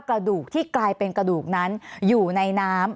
กระดูกที่กลายเป็นกระดูกนั้นอยู่ในน้ำ